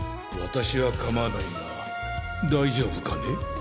私は構わないが大丈夫かね？